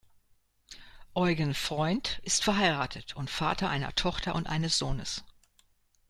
Eugen Freund ist verheiratet und Vater einer Tochter und eines Sohnes.